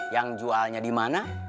yang jualnya dimana